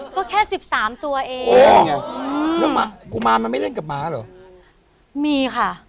กวนอย่างไร